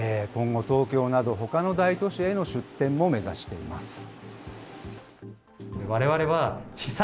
今後、東京などほかの大都市への出店も目指しています。